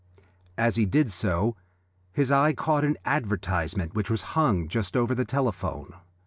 As he did so his eye caught an advertisement which was hung just over the telephone.